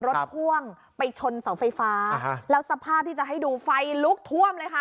พ่วงไปชนเสาไฟฟ้าแล้วสภาพที่จะให้ดูไฟลุกท่วมเลยค่ะ